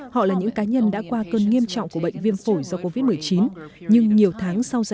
họ là những cá nhân đã qua cơn nghiêm trọng của bệnh viêm phổi do covid một mươi chín